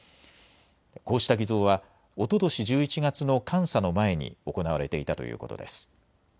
こうした偽造はおととし１１月の監査の前に行われていたということです。